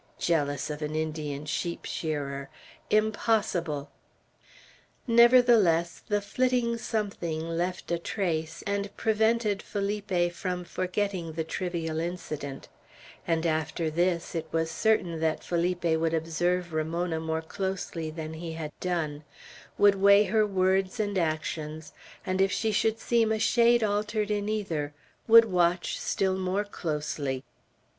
Jealous of an Indian sheep shearers Impossible! Nevertheless, the flitting something left a trace, and prevented Felipe from forgetting the trivial incident; and after this, it was certain that Felipe would observe Ramona more closely than he had done; would weigh her words and actions; and if she should seem by a shade altered in either, would watch still more closely.